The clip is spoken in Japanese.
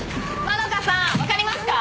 まどかさん分かりますか？